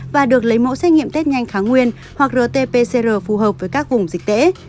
và được lấy mẫu xét nghiệm tết nhanh kháng nguyên hoặc rt pcr phù hợp với các vùng dịch tễ